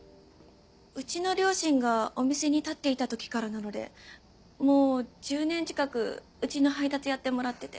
うちの両親がお店に立っていた時からなのでもう１０年近くうちの配達やってもらってて。